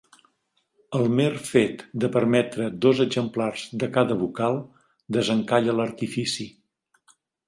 El mer fet de permetre dos exemplars de cada vocal desencalla l'artifici.